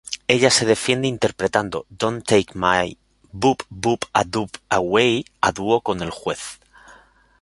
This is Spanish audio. Ella se defiende interpretando "Don't Take My Boop-Boop-a-Doop Away" a dúo con el juez.